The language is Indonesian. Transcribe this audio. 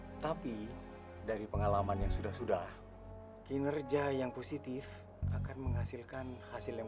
hai tapi dari pengalaman yang sudah sudah kinerja yang positif akan menghasilkan hasil yang